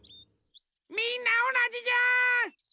みんなおなじじゃん！